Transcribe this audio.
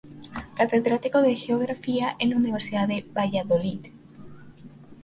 Catedrático de geografía en la Universidad de Valladolid.